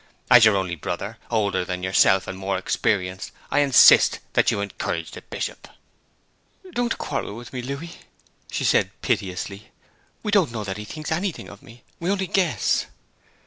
As your only brother, older than yourself, and more experienced, I insist that you encourage the Bishop.' 'Don't quarrel with me, Louis!' she said piteously. 'We don't know that he thinks anything of me, we only guess.'